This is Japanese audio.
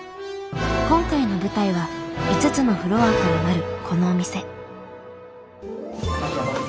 今回の舞台は５つのフロアからなるこのお店。